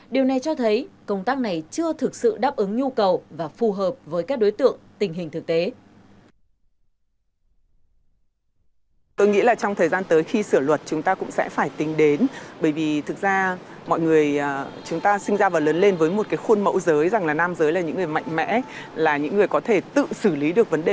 điều này cho thấy công tác này chưa thực sự đáp ứng nhu cầu và phù hợp với các đối tượng tình hình thực tế